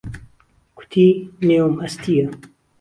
کوتی: نێوم ئەستییە